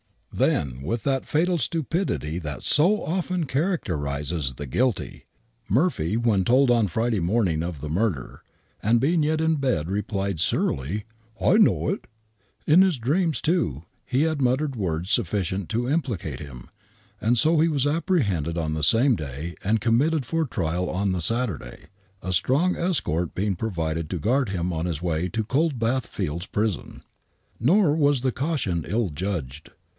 Then, with that fatal stupidity that so often characterizes the guilty. Murphy, when told on Friday morning of the miirder, and, being yet in bed, replied, surlily, " I know it." In his dreams, Itoo,, he had muttered words siifficient to implicate him, and so he was apprehended on the same day and committed for trial on the Saturday, a strong escort being provided to guard him on his way to Coldbath Fields Prison. Nor was the caution ill judged.